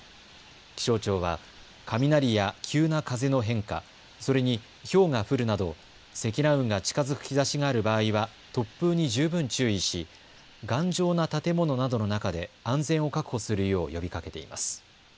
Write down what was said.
気象庁は雷や急な風の変化、それにひょうが降るなど積乱雲が近づく兆しがある場合は突風に十分注意し頑丈な建物などの中で安全を確保するよう呼びかけています。